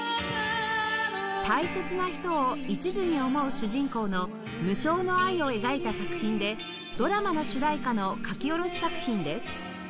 大切な人を一途に思う主人公の無償の愛を描いた作品でドラマの主題歌の書き下ろし作品です